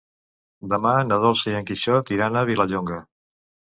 Demà na Dolça i en Quixot iran a Vilallonga.